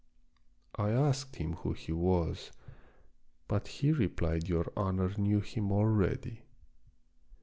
I asked him who he was, but he replied your honor knew him already."